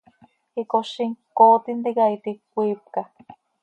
Icozim ccooo tintica iti cömiipca.